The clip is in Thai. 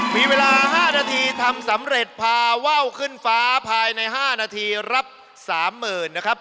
มีเวลา๕นาทีทำสำเร็จพาว่าวขึ้นฟ้าภายใน๕นาทีรับ๓๐๐๐นะครับ